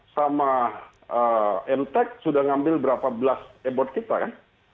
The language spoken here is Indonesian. sama entech sudah ngambil berapa belas e board kita kan